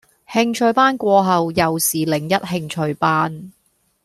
興趣班過後又是另一興趣班